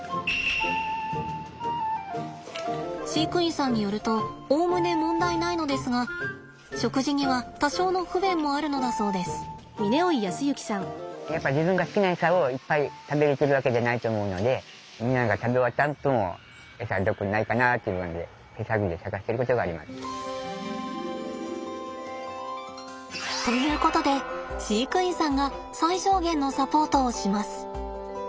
飼育員さんによるとおおむね問題ないのですが食事には多少の不便もあるのだそうです。ということで飼育員さんが最小限のサポートをします。